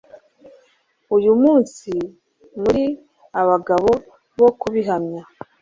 uyu munsi muri abagabo bo kubihamya